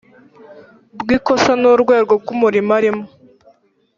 bw ikosa n urwego rw umurimo arimo